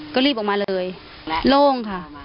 ก็รีบออกมาเลยโล่งค่ะ